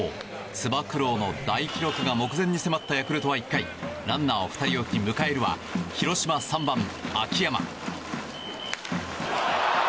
つば九郎の大記録が目前に迫ったヤクルトは１回ランナーを２人置き迎えるは広島３番、秋山。